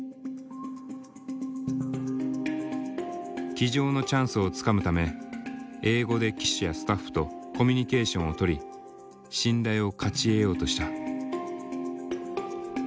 騎乗のチャンスをつかむため英語で騎手やスタッフとコミュニケーションをとり信頼を勝ち得ようとした。